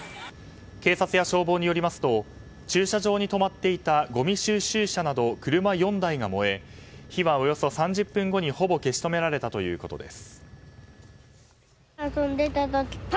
警察や消防によりますと駐車場に止まっていたごみ収集車など車４台が燃え火は、およそ３０分後にほぼ消し止められたということです。